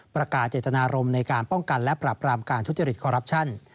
ประกาศเจตนารมณ์ในการป้องกันและปรับรามการทุจริตคอรัปชั่น